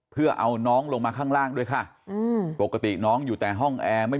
เพื่อเอาน้องลงมาข้างล่างด้วยค่ะอืมปกติน้องอยู่แต่ห้องแอร์ไม่